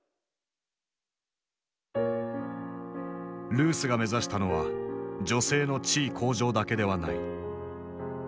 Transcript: ルースが目指したのは女性の地位向上だけではない。